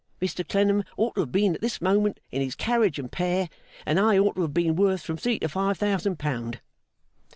Mr Clennam ought to have been at this moment in his carriage and pair, and I ought to have been worth from three to five thousand pound.